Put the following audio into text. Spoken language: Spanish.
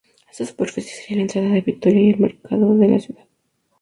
Esta superficie sería la entrada de Vitoria y el mercado de la ciudad.